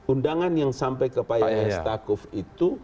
undangan yang sampai ke pak yahya stakuf itu